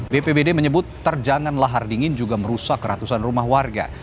bpbd menyebut terjangan lahar dingin juga merusak ratusan rumah warga